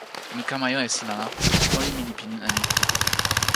mi kama jo e sina la, olin mi li pilin e ni: